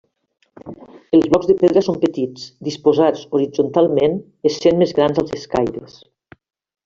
Els blocs de pedra són petits, disposats horitzontalment, essent més grans als escaires.